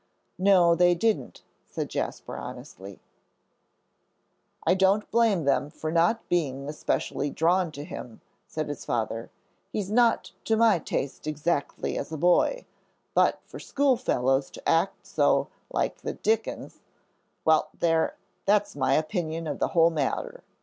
"No, they didn't," said Jasper, honestly. "I don't blame them for not being especially drawn to him," said his Father; "he's not to my taste exactly as a boy. But for schoolfellows to act so like the Dickens, well there, that's my opinion of the whole matter."